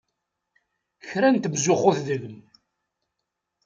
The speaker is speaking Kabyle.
Kra n temzuxxut deg-m!